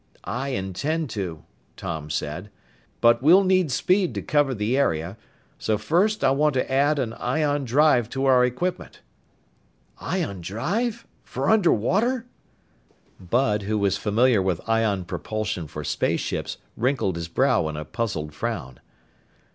"I intend to," Tom said. "But we'll need speed to cover the area. So first I want to add an ion drive to our equipment." "Ion drive? For underwater?" Bud, who was familiar with ion propulsion for spaceships, wrinkled his brow in a puzzled frown.